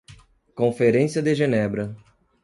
Conferência de Genebra